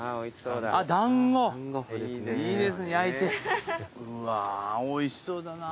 うわーおいしそうだな。